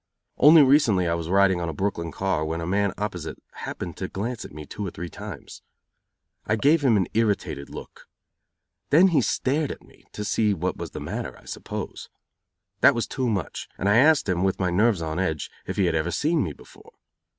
Only recently I was riding on a Brooklyn car, when a man sitting opposite happened to glance at me two or three times. I gave him an irritated look. Then he stared at me, to see what was the matter, I suppose. That was too much, and I asked him, with my nerves on edge, if he had ever seen me before.